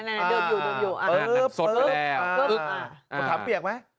เดินอยู่อื้บอืบปุ๊บอ่ะมันทำเปียกไหม